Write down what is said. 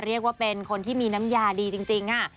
เรียกว่าเป็นคนที่มีน้ำยาดีจริงค่ะ